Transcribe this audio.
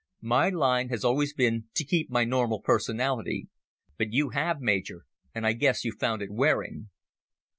My line has always been to keep my normal personality. But you have, Major, and I guess you found it wearing."